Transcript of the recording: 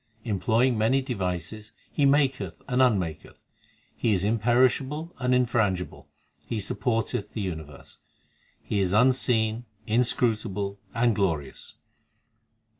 Employing many devices He maketh and unmaketh. He is imperishable and infrangible ; He supporteth the universe ; He is unseen, inscrutable, and glorious.